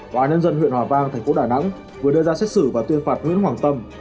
tòa nhân dân huyện hòa vang thành phố đà nẵng vừa đưa ra xét xử và tuyên phạt nguyễn hoàng tâm